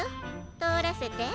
とおらせて。